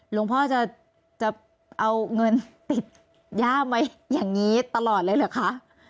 หลวงพ่อจะเอาเงินติดย่ามไว้อย่างนี้ตลอดเลยเหรอคะ